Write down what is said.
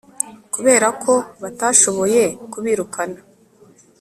kubera ko batashoboye kubirukana